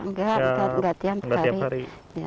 enggak enggak tiap hari